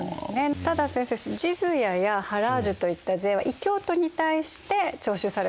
ただ先生ジズヤやハラージュといった税は異教徒に対して徴収されたわけですよね。